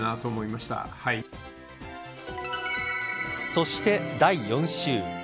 そして第４週。